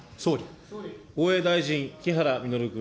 防衛大臣、木原稔君。